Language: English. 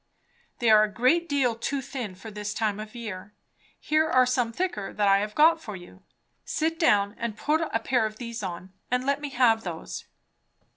"They are a great deal too thin for this time of year. Here are some thicker I have got for you. Sit down and put a pair of these on, and let me have those."